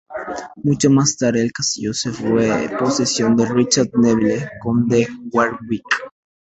Mucho más tarde el castillo se vuele posesión de Richard Neville, conde de Warwick.